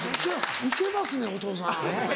行けますねお父さん。